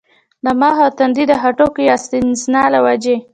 د مخ او تندي د هډوکو يا سائنسز له وجې